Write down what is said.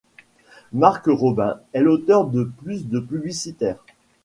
Marc Robin est l’auteur de plus de publicitaires.